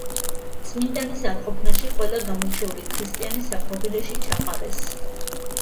წმინდანის არყოფნაში ყველა გამორჩეული ქრისტიანი საპყრობილეში ჩაყარეს.